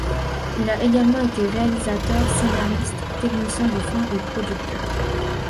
Il a également été réalisateur, scénariste, technicien du son et producteur.